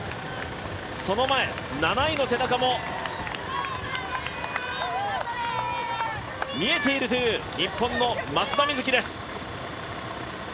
その前、７位の背中も見えているという日本の松田瑞生です。